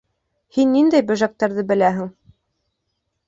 Һин ниндәй бөжәктәрҙе беләһең?